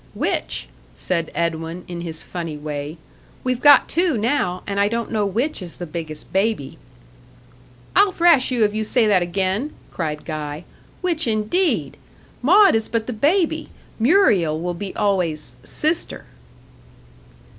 "Which?" said Edwin, in his funny way. "We've got two now; and I don't know which is the biggest baby." "I'll thrash you if you say that again," cried Guy. "Which, indeed? Maud is but the baby. Muriel will be always 'sister.'"